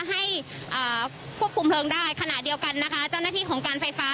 ให้ควบคุมเพลิงได้ขณะเดียวกันนะคะเจ้าหน้าที่ของการไฟฟ้า